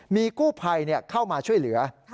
มีกู้ภัยเข้ามาช่วยเหลือ